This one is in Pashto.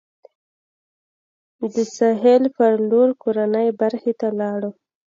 د سهیل پر لور کورنۍ برخې ته لاړو.